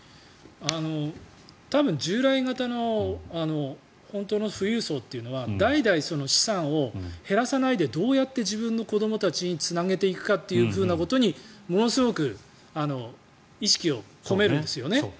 多分、従来型の本当の富裕層というのは代々、資産を減らさないでどうやって自分の子どもたちにつなげていくかということにものすごく意識を込めるんですよね。